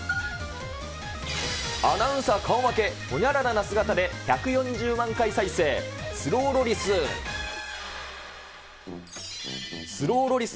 アナウンサー顔負け、ホニャララな姿で、１４０万回再生、スローロリス。